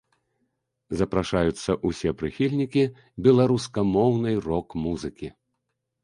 Запрашаюцца ўсе прыхільнікі беларускамоўнай рок-музыкі!